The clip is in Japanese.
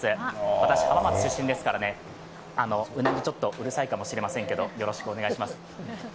私、浜松出身ですからね、うなぎちょっとうるさいかも知れませんけど、よろしくお願いします。